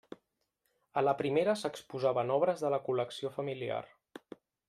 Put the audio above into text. A la primera s'exposaven obres de la col·lecció familiar.